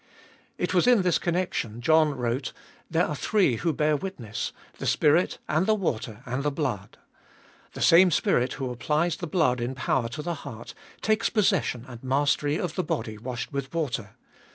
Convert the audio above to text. In was in this connection John 382 abe 1bolie0t of all wrote : There are three who bear witness, the Spirit and the water and the blood. The same Spirit who applies the blood in power to the heart, takes possession and mastery of the body washed with water.